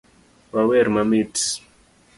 wawer mamit